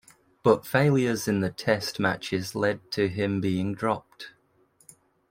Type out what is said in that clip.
But failures in the Test matches led to him being dropped.